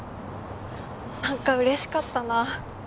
なんか嬉しかったな。